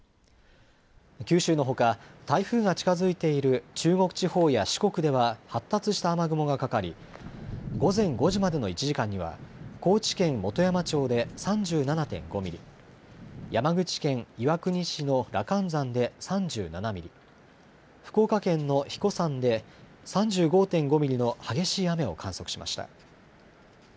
九州のほか、台風が近づいている中国地方や四国では、発達した雨雲がかかり、午前５時までの１時間には、高知県本山町で３７．５ミリ、山口県岩国市の羅漢山で３７ミリ、福岡県の英彦山で３５．５ミリの激しい雨を観測しました。